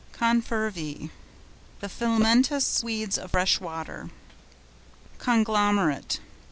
CONFERVÆ.—The filamentous weeds of fresh water. CONGLOMERATE.